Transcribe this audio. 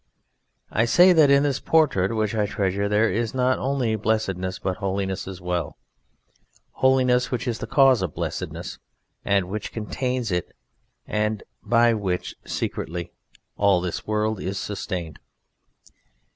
I say that in this portrait which I treasure there is not only blessedness, but holiness as well holiness which is the cause of blessedness and which contains it, and by which secretly all this world is sustained.